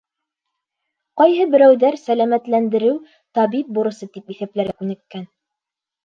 Ҡайһы берәүҙәр, сәләмәтләндереү — табип бурысы, тип иҫәпләргә күнеккән.